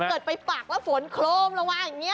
ถ้าเกิดไปปากแล้วฝนโครงรวมมาอย่างนี้